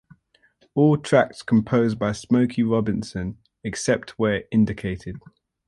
All tracks composed by Smokey Robinson, except where indicated.